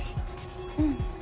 うん。